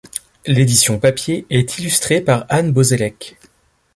L'édition papier est illustrée par Anne Bozellec.